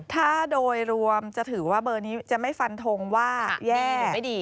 ถ้าโดยรวมจะถือว่าเบอร์นี้จะไม่ฟันทงว่าแย่ไม่ดี